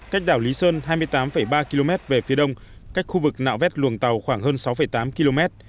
cách đảo lý sơn hai mươi tám ba km về phía đông cách khu vực nạo vét luồng tàu khoảng hơn sáu tám km